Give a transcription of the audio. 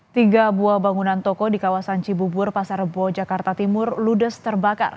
tiga buah bangunan toko di kawasan cibubur pasar rebo jakarta timur ludes terbakar